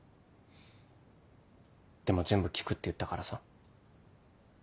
でも全部聞くって言ったからさ。